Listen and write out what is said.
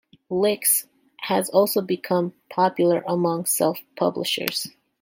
LyX has also become popular among self-publishers.